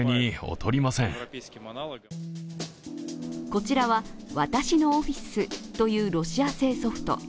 こちらは、私のオフィスというロシア製ソフト。